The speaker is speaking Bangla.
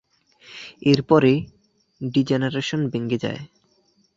এর পরে, ডি জেনারেশন ভেঙ্গে যায়।